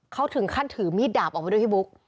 เขาถึงขั้นถือมีดดาบออกมาด้วยพี่บุ๊ค